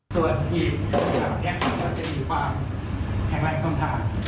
ส่วนผิดของกระดาษนี้มันจะมีความแข็งแรงต้นทาง